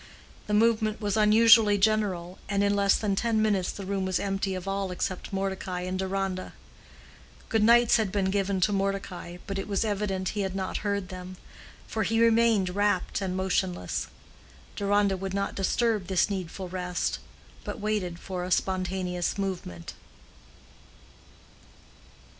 The movement was unusually general, and in less than ten minutes the room was empty of all except Mordecai and Deronda. "Good nights" had been given to Mordecai, but it was evident he had not heard them, for he remained rapt and motionless. Deronda would not disturb this needful rest, but waited for a spontaneous movement.